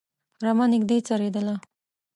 رمه نږدې څرېدله.